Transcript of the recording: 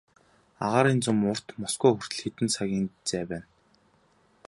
Агаарын зам урт, Москва хүртэл хэдэн цагийн зай байна.